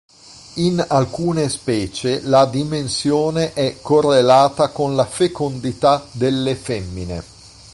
In alcune specie, la dimensione è correlata con la fecondità delle femmine.